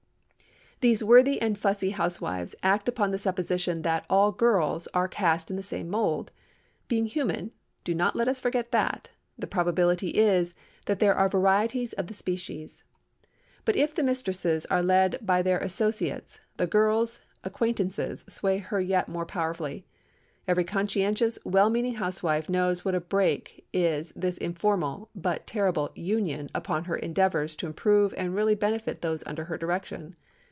These worthy and fussy housewives act upon the supposition that all "girls" are cast in the same mould. Being human (do not let us forget that!), the probability is, that there are varieties of the species. But, if the mistresses are led by their associates, the "girl's" "acquaintances" sway her yet more powerfully. Every conscientious, well meaning housewife knows what a brake is this informal, but terrible "Union" upon her endeavors to improve and really benefit those under her direction.